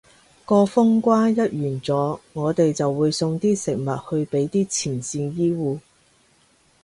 個封關一完咗，我哋就會送啲食物去畀啲前線醫護